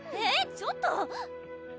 ちょっと！